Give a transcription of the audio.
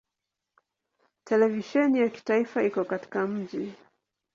Televisheni ya kitaifa iko katika mji.